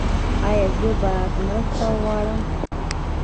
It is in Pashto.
ایا زه باید مرسته وغواړم؟